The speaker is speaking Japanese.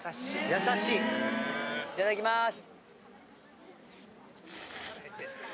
・やさしい・いただきます。